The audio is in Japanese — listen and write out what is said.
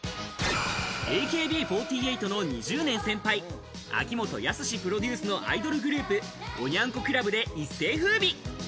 ＡＫＢ４８の２０年先輩、秋元康プロデュースのアイドルグループ、おニャン子クラブで一世を風靡。